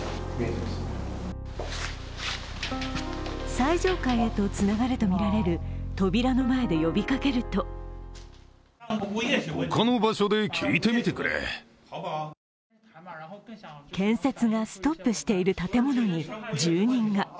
最上階へとつながるとみられる扉の前で呼びかけると建設がストップしている建物に住人が。